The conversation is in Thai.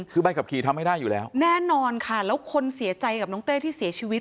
คือใบขับขี่ทำให้ได้อยู่แล้วแน่นอนค่ะแล้วคนเสียใจกับน้องเต้ที่เสียชีวิต